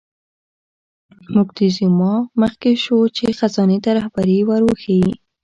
موکتیزوما مخکې شو چې خزانې ته رهبري ور وښیي.